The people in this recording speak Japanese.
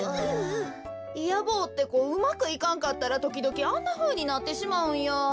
いや坊ってこうまくいかんかったらときどきあんなふうになってしまうんよ。